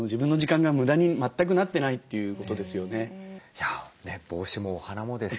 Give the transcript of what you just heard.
いや帽子もお花もです